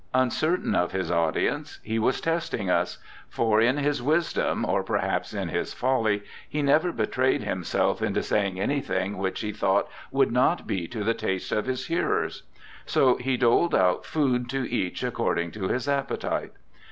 Uncertain of his audience he was testing us, for, in his wisdom, or perhaps in his folly, he never betrayed himself into saying anything which he thought would not be to the taste of his hearers; so he doled out food to each according to his appetite.